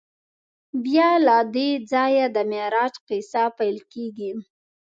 بیا له دې ځایه د معراج کیسه پیل کېږي.